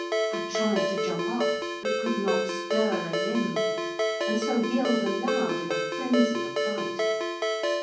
I tried to jump up; but could not stir a limb; and so yelled aloud, in a frenzy of fright.